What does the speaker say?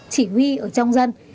chỉ huy ở trong dân